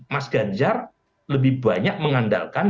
mas ganjar lebih banyak mengandalkan